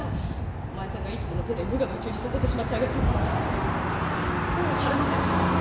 お前さんがいつもの手で無我夢中にさせてしまったあげく子を孕ませてしまった。